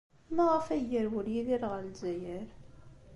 Maɣef ay yerwel Yidir ɣer Lezzayer?